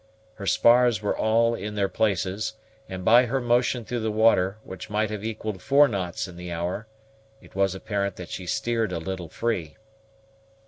Her spars were all in their places, and by her motion through the water, which might have equalled four knots in the hour, it was apparent that she steered a little free.